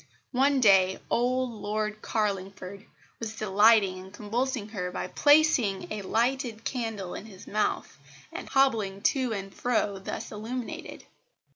One day old Lord Carlingford was delighting and convulsing her by placing a lighted candle in his mouth, and hobbling to and fro thus illuminated.